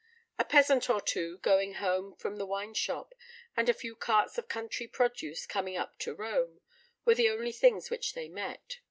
A peasant or two going home from the wine shop, and a few carts of country produce coming up to Rome, were the only things which they met.